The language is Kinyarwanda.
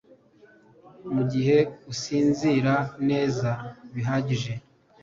Mu gihe usinzira neza bihagije